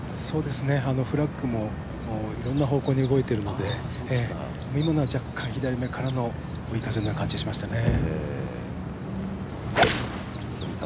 フラッグもいろんな方向に動いているので、今のは若干左目からの追い風には感じましたね。